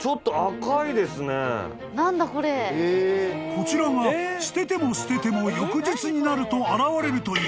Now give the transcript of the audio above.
［こちらが捨てても捨てても翌日になると現れるという］